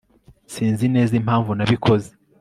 sinzi neza impamvu nabikoze